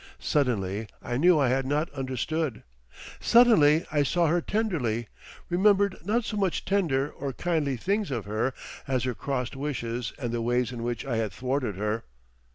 Suddenly I knew I had not understood. Suddenly I saw her tenderly; remembered not so much tender or kindly things of her as her crossed wishes and the ways in which I had thwarted her.